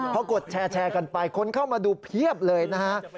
พอกดแชร์กันไปคนเข้ามาดูเพียบเลยนะฮะ